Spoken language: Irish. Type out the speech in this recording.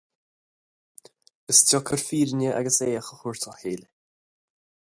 Is deacair fírinne agus éitheach a thabhairt dá chéile.